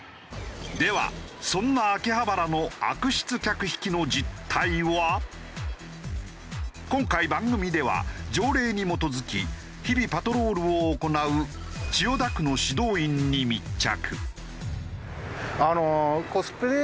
ではそんな今回番組では条例に基づき日々パトロールを行う千代田区の指導員に密着。